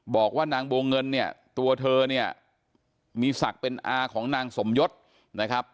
บอกว่านางบัวเงินเนี่ยตัวเธอเนี่ยมีศักดิ์เป็นอาของนางสมยศนะครับ